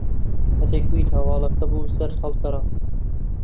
کاتێک گوێی لە ھەواڵەکە بوو، زەرد ھەڵگەڕا.